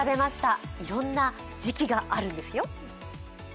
いろんな時期があるんですよ。